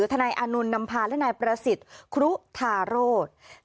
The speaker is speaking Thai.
นายอานนท์นำพาและนายประสิทธิ์ครุธาโรธ